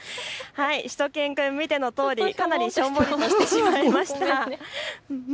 しゅと犬くん、見てのとおりかなりしょんぼりしてしまいました。